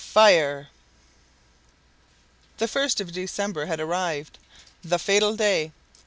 FIRE! The first of December had arrived! the fatal day!